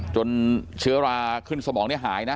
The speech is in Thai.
จนเชื้อราขึ้นสมองนี้หายนะ